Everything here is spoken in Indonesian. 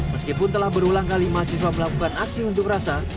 meskipun telah berulang kali mahasiswa melakukan aksi unjuk rasa